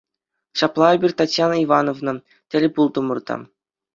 Ҫапла эпир Татьяна Ивановнӑна тӗл пултӑмӑр та.